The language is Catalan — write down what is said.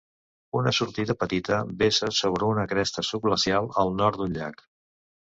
Una sortida petita vessa sobre una cresta subglacial al nord d'un llac.